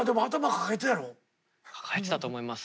抱えてたと思います